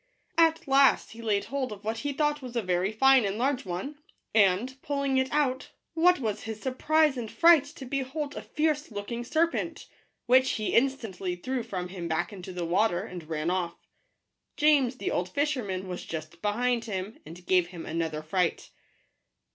At last he laid hold of what he thought was a very fine and large one; and, pulling it out, what was his sur prise and fright to behold a fierce looking serpent ! which he instantly threw from him back into the water, and ran off. James, the old fisherman, was just behind him, and gave him another fright.